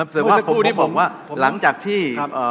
แต่ว่าผมว่าหลังจากที่